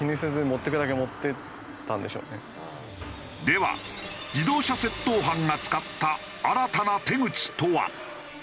では自動車窃盗犯が使った新たな手口とは？